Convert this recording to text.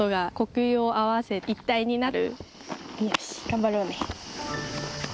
頑張ろうね。